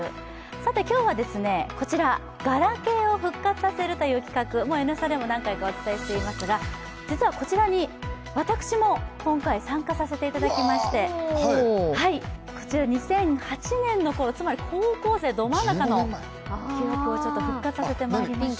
今日はこちら、ガラケーを復活させるという企画、「Ｎスタ」でも何回もお伝えしていますが、実はこちらに、今回、私も参加させていただきまして、２００８年のころ、つまり高校生ど真ん中のを復活させてきました。